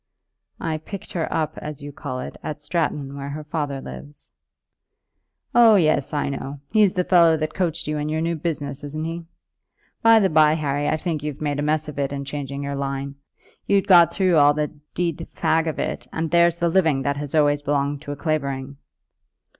"I picked her up, as you call it, at Stratton, where her father lives." "Oh, yes; I know. He's the fellow that coached you in your new business, isn't he? By the by, Harry, I think you've made a mess of it in changing your line. I'd have stuck to my governor's shop if I'd been you. You'd got through all the d d fag of it, and there's the living that has always belonged to a Clavering."